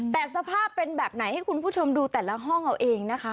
แต่สภาพเป็นแบบไหนให้คุณผู้ชมดูแต่ละห้องเอาเองนะคะ